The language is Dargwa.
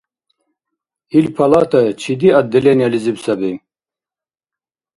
Ил палата чиди отделениелизиб саби?